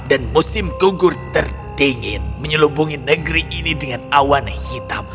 dan musim kugur tertinggi menyelubungi negeri ini dengan awan hitam